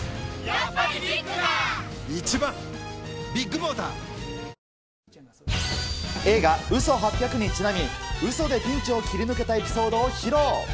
もう出し映画、嘘八百にちなみ、うそでピンチを切り抜けたエピソードを披露。